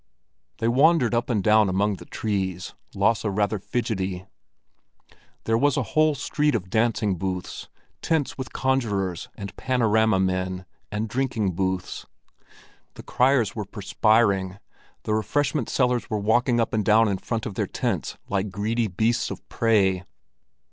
They wandered up and down among the trees, Lasse rather fidgety. There was a whole street of dancing booths, tents with conjurers and panorama men, and drinking booths. The criers were perspiring, the refreshment sellers were walking up and down in front of their tents like greedy beasts of prey.